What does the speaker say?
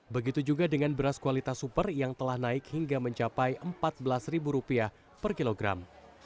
begitu juga dengan beras kualitas super yang telah naik hingga mencapai rp empat belas per kilogram